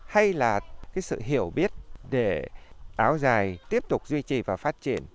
hay là cái sự hiểu biết để áo dài tiếp tục duy trì và phát triển